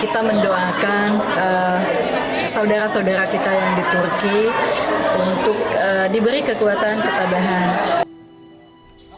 kita mendoakan saudara saudara kita yang di turki untuk diberi kekuatan ketabahan